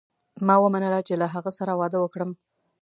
ما ومنله چې له هغه سره واده وکړم.